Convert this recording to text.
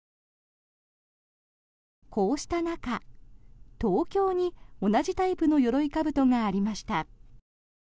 こうした中、東京に同じタイプのよろいかぶとがありました。